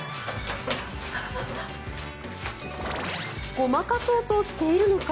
ごまかそうとしているのか？